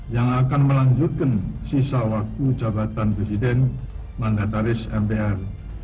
yang akan melanjutkan sisa waktu jabatan presiden mandataris mpr seribu sembilan ratus sembilan puluh delapan dua ribu tiga